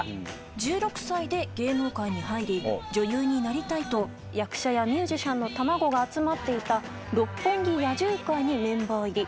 １６歳で芸能界に入り、女優になりたいと、役者やミュージシャンの卵が集まっていた、六本木野獣会にメンバー入り。